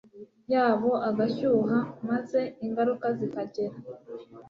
yabo agashyuha maze ingaruka zikagera